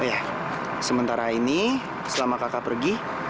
oh ya sementara ini selama kakak pergi